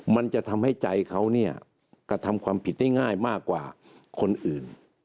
มันจะทำให้ใจเขาเนี่ยกระทำความผิดได้ง่ายมากกว่าคนอื่น